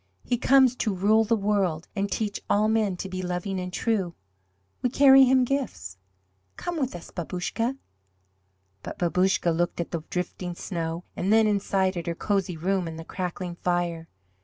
He comes to rule the world and teach all men to be loving and true. We carry Him gifts. Come with us, Babouscka." But Babouscka looked at the drifting snow, and then inside at her cozy room and the crackling fire.